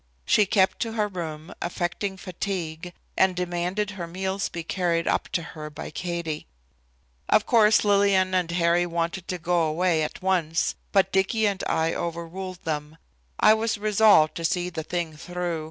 She kept to her room, affecting fatigue, and demanding her meals be carried up to her by Katie. Of course Lillian and Harry wanted to go away at once, but Dicky and I overruled them. I was resolved to see the thing through.